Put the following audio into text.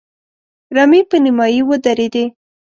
رمې په نيمايي ودرېدې.